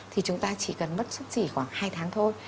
thì chúng ta chỉ cần mất sức chỉ khoảng hai tháng thôi